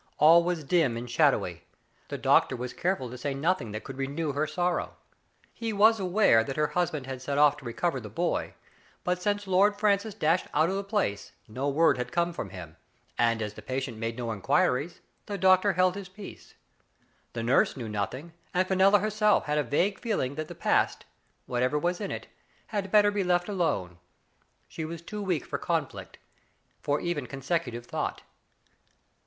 All was dim and shadowy. The doctor was careful to say nothing that could renew her sorrow. He was aware that her husband had set off to recover the boy, but since Lord Francis dashed out of the place no word had come from him, and as the patient made no inquiries the doctor held his peace. The nurse knew nothing, and Fenella herself had a vague feeling that the past, whatever was in it, had better be let alone. She was too weak for conflict, for even consecutive thought.